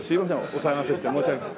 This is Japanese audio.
お騒がせして申し訳ない。